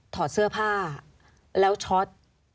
ถอดเสื้อผ้าแล้วช็อต